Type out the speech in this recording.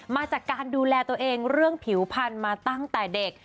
มาจากการดูแลตัวเองเรื่องผิวพันธุ์มาตั้งแต่เด็ก